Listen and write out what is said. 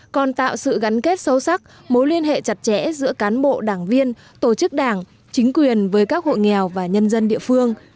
còn tạo sự gắn kết sâu sắc mối liên hệ chặt chẽ giữa cán bộ đảng viên tổ chức đảng chính quyền với các hộ nghèo và nhân dân địa phương